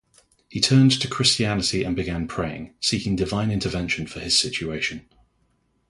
He turned to Christianity and began praying, seeking divine intervention for his situation.